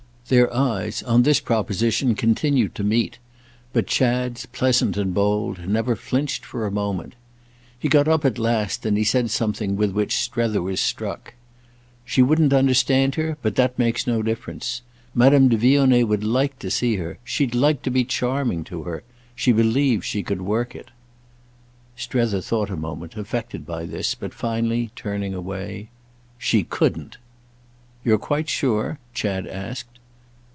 Their eyes, on this proposition, continued to meet, but Chad's pleasant and bold, never flinched for a moment. He got up at last and he said something with which Strether was struck. "She wouldn't understand her, but that makes no difference. Madame de Vionnet would like to see her. She'd like to be charming to her. She believes she could work it." Strether thought a moment, affected by this, but finally turning away. "She couldn't!" "You're quite sure?" Chad asked.